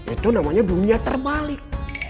itu namanya dunia terbalik